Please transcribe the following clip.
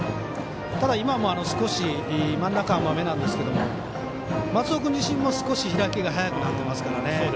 ただ、今も少し真ん中甘めなんですけど松尾君自身も少し開きが早くなっていますからね。